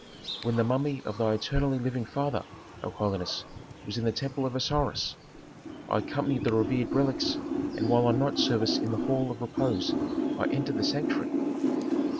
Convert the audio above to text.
"When the mummy of thy eternally living father, O holiness, was in the temple of Osiris. I accompanied the revered relics and while on night service in the hall of 'repose' I entered the sanctuary."